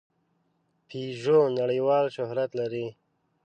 پيژو نړۍوال شهرت لري.